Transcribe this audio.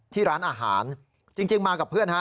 ที่ร้านอาหารจริงมากับเพื่อนฮะ